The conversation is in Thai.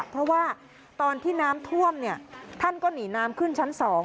เพราะว่าตอนที่น้ำท่วมท่านก็หนีน้ำขึ้นชั้น๒